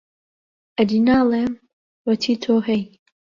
ئەدی ناڵێم، وەتی تۆ هەی،